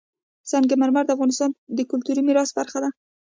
سنگ مرمر د افغانستان د کلتوري میراث برخه ده.